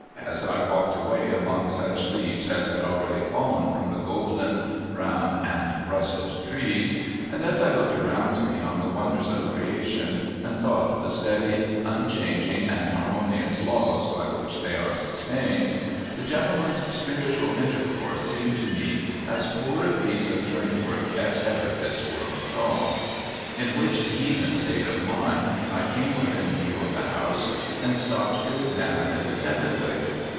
As I walked away among such leaves as had already fallen from the golden, brown, and russet trees; and as I looked around me on the wonders of Creation, and thought of the steady, unchanging, and harmonious laws by which they are sustained ; the gentleman's spiritual inter course seemed to me as poor a jjiece of journey work as ever this world saw. In which heathen state of mind, I came within view of the house, and stopped to examine it attentively.